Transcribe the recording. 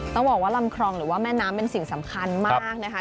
ต้องบอกว่าลำคลองหรือว่าแม่น้ำเป็นสิ่งสำคัญมากนะคะ